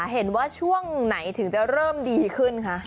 เห็นว่าช่วงไหนถึงจะเริ่มดีขึ้นคะ